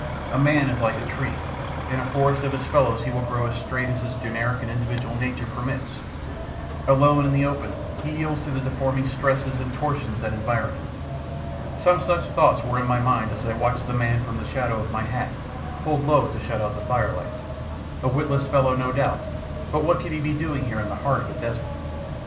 A man is like a tree: in a forest of his fellows he will grow as straight as his generic and individual nature permits; alone in the open, he yields to the deforming stresses and tortions that environ him. Some such thoughts were in my mind as I watched the man from the shadow of my hat, pulled low to shut out the firelight. A witless fellow, no doubt, but what could he be doing there in the heart of a desert?